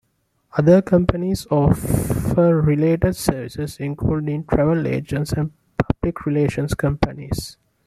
Other companies offer related services including travel agents and public relations companies.